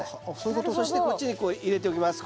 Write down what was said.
そしてこっちにこう入れておきます